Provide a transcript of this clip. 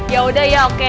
ya udah ya oke